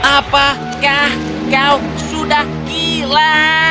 apakah kau sudah gila